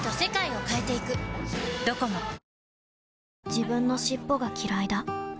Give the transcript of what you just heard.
自分の尻尾がきらいだ